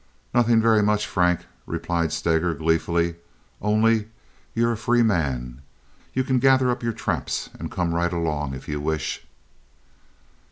"Nothing very much, Frank," replied Stager, gleefully, "only you're a free man. You can gather up your traps and come right along, if you wish."